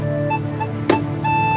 saya sudah berhenti